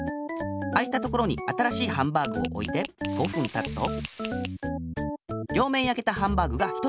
あいたところに新しいハンバーグをおいて５ふんたつと両面やけたハンバーグが１つできあがる。